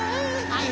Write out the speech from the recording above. はい？